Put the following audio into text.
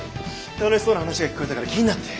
楽しそうな話が聞こえたから気になって。